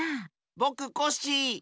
ぼくコッシー！